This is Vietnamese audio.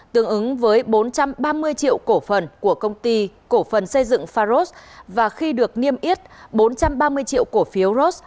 tương ứng với bốn trăm ba mươi triệu cổ phần của công ty cổ phần xây dựng pharos và khi được niêm yết bốn trăm ba mươi triệu cổ phiếu ross